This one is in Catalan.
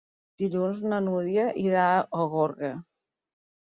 Dilluns na Nura irà a Gorga.